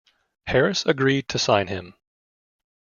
Harris agreed to sign him.